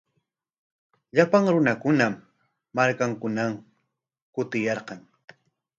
Llapan runakunam markankunaman kutiyarqan.